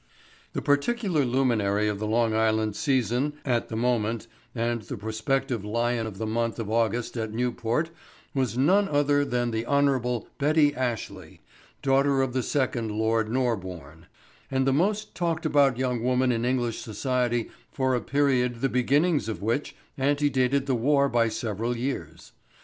The particular luminary of the Long Island season at the moment and the prospective lion of the month of August at Newport was none other than the Hon. Betty Ashley, daughter of the second Lord Norbourne, and the most talked about young woman in English society for a period the beginnings of which antedated the war by several years.